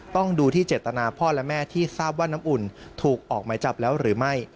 ต้องดูที่เจตนาพ่อและแม่ที่ทราบว่าน้ำอุ่นถูกออกหมายจับแล้วหรือไม่